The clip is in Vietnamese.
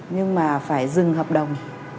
nhưng mà phải dừng hợp đồng